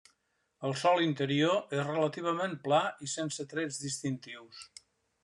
El sòl interior és relativament pla i sense trets distintius.